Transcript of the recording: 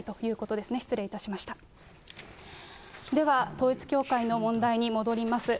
では、統一教会の問題に戻ります。